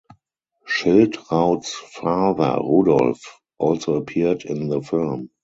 Schildraut's father Rudolf also appeared in the film.